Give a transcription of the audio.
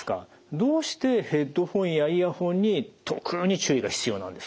どうしてヘッドホンやイヤホンに特に注意が必要なんですか？